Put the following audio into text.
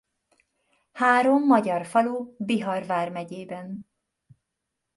Három magyar falu Bihar Vármegyében.